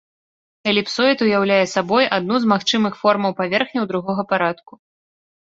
Эліпсоід ўяўляе сабой адну з магчымых формаў паверхняў другога парадку.